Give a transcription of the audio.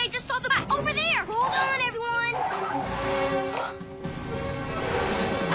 あっ！